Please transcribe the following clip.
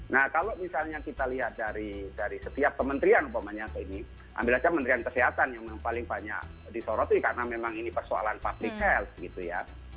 nah kalau misalnya kita lihat dari setiap kementerian ambil saja kementerian kesehatan yang paling banyak disorot karena memang ini persoalan public health